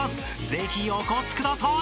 ［ぜひお越しください！］